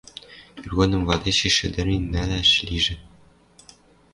Иргодым вадешеш ыдырен нӓлӓш лижӹ...